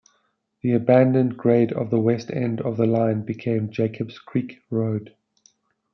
The abandoned grade of the west end of the line became Jacobs Creek Road.